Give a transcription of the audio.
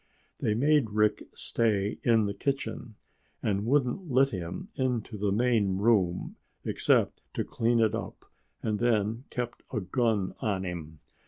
They made Rick stay in the kitchen and wouldn't let him into the main room except to clean it up, and then kept a gun on him.